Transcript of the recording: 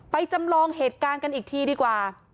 จำลองเหตุการณ์กันอีกทีดีกว่า